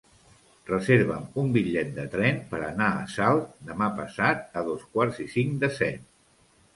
Reserva'm un bitllet de tren per anar a Salt demà passat a dos quarts i cinc de set.